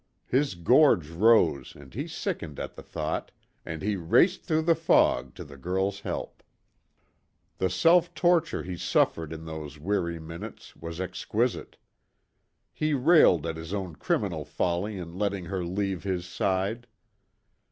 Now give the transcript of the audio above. His gorge rose and he sickened at the thought, and he raced through the fog to the girl's help. The self torture he suffered in those weary minutes was exquisite. He railed at his own criminal folly in letting her leave his side.